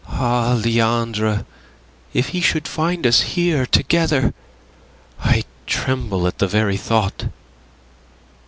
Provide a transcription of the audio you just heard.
"Ah, Leandre, if he should find us here together! I tremble at the very thought."